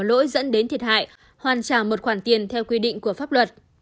nếu pháp nhân có lỗi dẫn đến thiệt hại hoàn trả một khoản tiền theo quy định của pháp luật